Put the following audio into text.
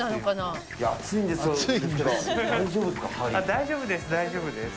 大丈夫です大丈夫です。